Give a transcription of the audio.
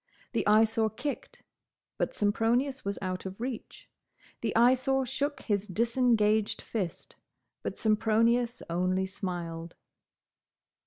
The Eyesore kicked; but Sempronius was out of reach. The Eyesore shook his disengaged fist; but Sempronius only smiled.